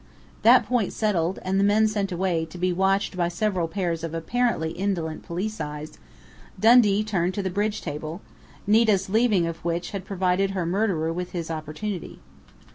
That point settled, and the men sent away, to be watched by several pairs of apparently indolent police eyes, Dundee turned to the bridge table, Nita's leaving of which had provided her murderer with his opportunity.